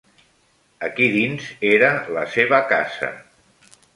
Aquí dins era la seva casa.